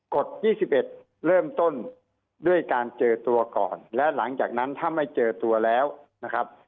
กฎ๒๑เริ่มต้นด้วยการเจอตัวก่อนและหลังจากนั้นถ้าไม่เจอตัวแล้วนะครับ